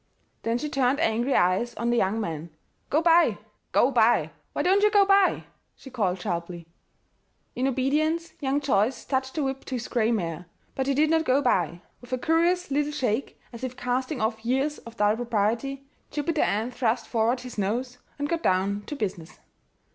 Then she turned angry eyes on the young man. "Go by go by! Why don't you go by?" she called sharply. In obedience, young Joyce touched the whip to his gray mare: but he did not go by. With a curious little shake, as if casting off years of dull propriety, Jupiter Ann thrust forward his nose and got down to business.